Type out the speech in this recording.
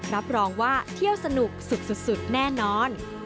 รับรองว่าเที่ยวสนุกสุดแน่นอน